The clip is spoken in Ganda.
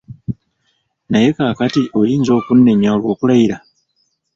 Naye kaakati oyinza okunnenya olw’okulayira?